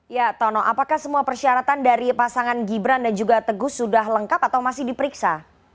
ya tono apakah semua persyaratan dari pasangan gibran dan juga teguh sudah lengkap atau masih diperiksa